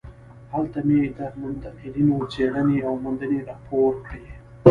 هلته مې د منتقدینو څېړنې او موندنې راپور کړې.